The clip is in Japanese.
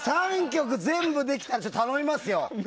３曲全部できたら頼みますよ！